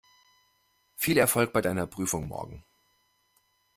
Viel Erfolg bei deiner Prüfung morgen!